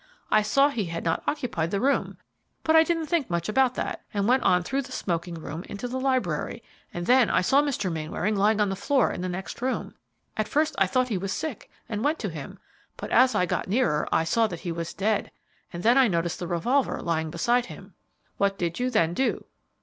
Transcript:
I saw he had not occupied the room, but I didn't think much about that, and went on through the smoking room into the library, and then I saw Mr. Mainwaring lying on the floor in the next room. At first I thought he was sick and went to him, but as I got nearer I saw that he was dead, and then I noticed the revolver lying beside him." "What did you then do?"